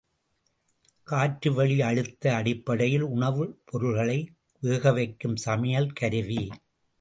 காற்றுவெளி அழுத்த அடிப்படையில் உணவுப் பொருள்களை வேகவைக்கும் சமையல் கருவி.